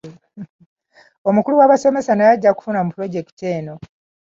Omukulu w'abasomesa naye ajja kufuna mu pulojekiti eno.